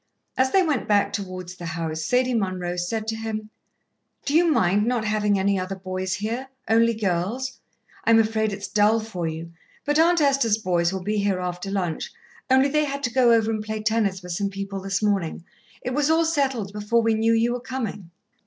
As they went back towards the house, Sadie Munroe said to him: "Do you mind not having any other boys here only girls? I'm afraid it's dull for you, but Aunt Esther's boys will be here after lunch, only they had to go over and play tennis with some people this morning; it was all settled before we knew you were coming."